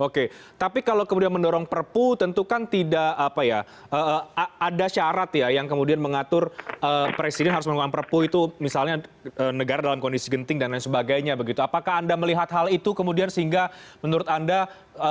oke tapi kalau kemudian mendorong perpu tentu kan tidak apa ya ada syarat ya yang kemudian mengatur presiden harus mengeluarkan perpu itu misalnya negara dalam kondisi genting dan lain sebagainya begitu apakah anda melihat hal itu kemudian sehingga menurut anda